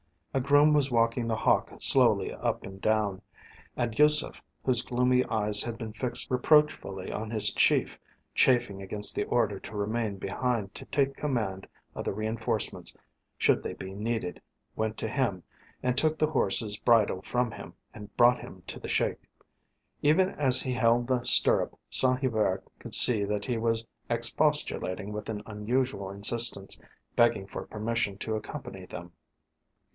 A groom was walking The Hawk slowly up and down, and Yusef, whose gloomy eyes had been fixed reproachfully on his chief, chafing against the order to remain behind to take command of the reinforcements should they be needed, went to him and took the horse's bridle from him and brought him to the Sheik. Even as he held the stirrup Saint Hubert could see that he was expostulating with an unusual insistence, begging for permission to accompany them.